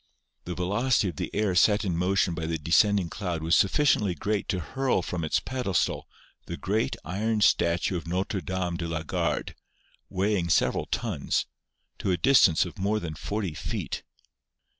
The velocity of the air set in motion by the descending cloud was sufficiently great to hurl from its pedestal the great iron statue of Notre Dame de la Garde, weighing several tons, to a dis tance of more than 40 feet.